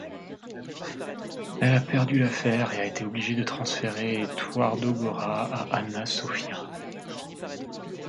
Elle a perdu l'affaire et a été obligée de transférer Twardogóra à Anna Sophia.